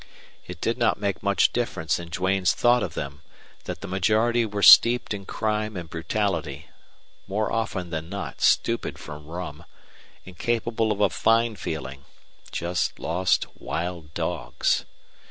It did not make much difference in Duane's thought of them that the majority were steeped in crime and brutality, more often than not stupid from rum, incapable of a fine feeling, just lost wild dogs.